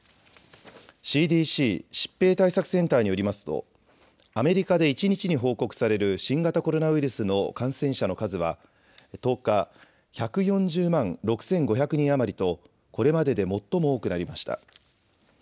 ＣＤＣ・疾病対策センターによりますとアメリカで一日に報告される新型コロナウイルスの感染者の数は１０日、１４０万６５００人余りとこれまでで最も多くなりました。